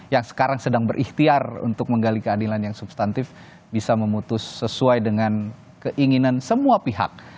yang sekarang sedang berikhtiar untuk menggali keadilan yang substantif bisa memutus sesuai dengan keinginan semua pihak